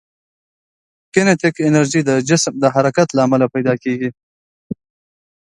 کینیتیک انرژي د جسم د حرکت له امله پیدا کېږي.